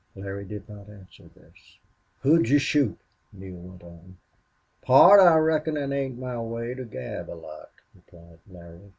Larry did not answer this. "Who'd you shoot?" Neale went on. "Pard, I reckon it ain't my way to gab a lot," replied Larry.